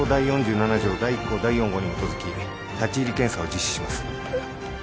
第１項第４号に基づき立入検査を実施します。